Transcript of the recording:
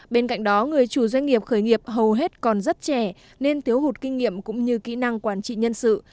bên cạnh đó người chủ doanh nghiệp khởi nghiệp hầu hết còn rất trẻ nên thiếu hụt kinh nghiệm cũng như kỹ năng quản trị nhân sự